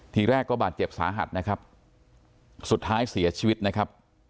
ทีแรกก็บาดเจ็บสาหัสนะครับสุดท้ายเสียชีวิตนะครับ